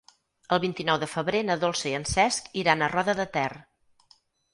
El vint-i-nou de febrer na Dolça i en Cesc iran a Roda de Ter.